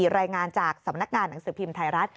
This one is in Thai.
รายงานจากสำนักงานหนังสือพิมพ์ไทยรัฐ